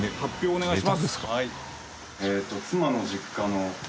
お願いします。